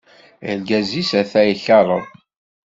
Argaz-is ata ikeṛṛeb.